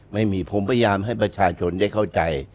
ไม่มีผมพยายามให้ประชาชนได้เข้าใจ